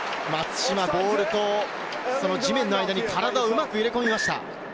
ボールと地面の間に体をうまく入れ込みました。